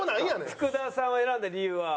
福田さんを選んだ理由は？